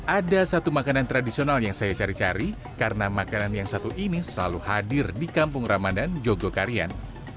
ada satu makanan tradisional yang saya cari cari karena makanan yang satu ini selalu hadir di kampung ramadan jogokarian